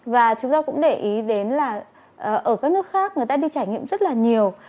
và chúng ta cũng để ý đến là ở các nước khác người ta đi trải nghiệm rất là nhiều